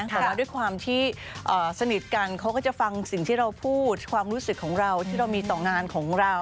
แต่ว่าด้วยความที่สนิทกันเขาก็จะฟังสิ่งที่เราพูดความรู้สึกของเราที่เรามีต่องานของเรา